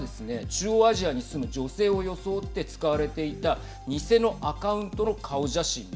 中央アジアに住む女性を装って使われていた偽のアカウントのはい。